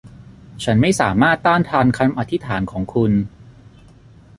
ฉันไม่สามารถต้านทานคำอธิษฐานของคุณ